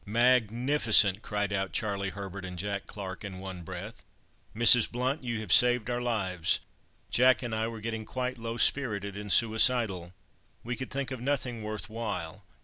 "Magnificent!" cried out Charlie Herbert and Jack Clarke in one breath. "Mrs. Blount, you have saved our lives. Jack and I were getting quite low spirited and suicidal. We could think of nothing worth while.